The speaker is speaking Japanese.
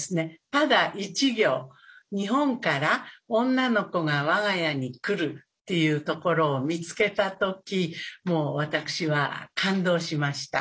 ただ１行「日本から女の子が我が家に来る」っていうところを見つけた時もう私は感動しました。